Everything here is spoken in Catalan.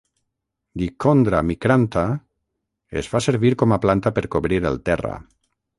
"Dichondra micrantha" es fa servir com a planta per cobrir el terra.